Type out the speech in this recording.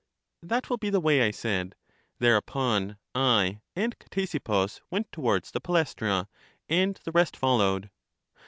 That will be the way, I said. Thereupon I and Ctesippus went towards the Palaestra, and the rest followed.